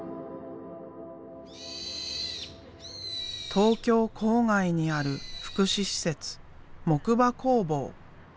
東京郊外にある福祉施設木馬工房。